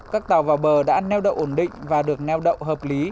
các tàu vào bờ đã neo đậu ổn định và được neo đậu hợp lý